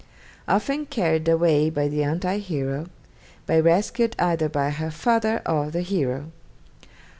Often carried away by the anti hero, but rescued either by her father or the hero.